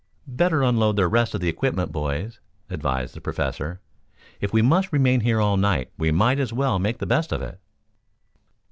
"Better unload the rest of the equipment, boys," advised the Professor. "If we must remain here all night we might as well make the best of it."